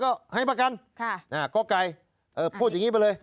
ก็ให้ประกันค่ะอ่าก็ไกลเออพูดอย่างงี้ไปเลย